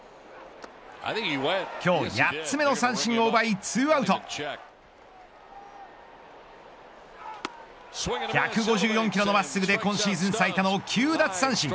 今日８つ目の三振を奪い２アウト１５４キロの真っすぐで今シーズン最多の９奪三振。